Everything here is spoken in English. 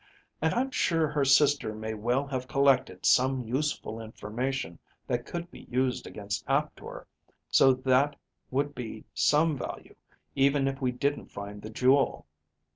And I'm sure her sister may well have collected some useful information that could be used against Aptor, so that would be some value even if we didn't find the jewel.